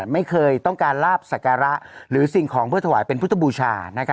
ไม่เคยต้องการลาบสักการะหรือสิ่งของเพื่อถวายเป็นพุทธบูชา